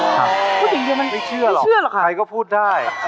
ไม่เชื่อหรอกใครก็พูดได้